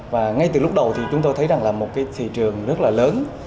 và ngay từ lúc đầu thì chúng tôi thấy rằng là một cái thị trường rất là lớn